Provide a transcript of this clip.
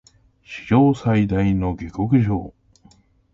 史上最大の下剋上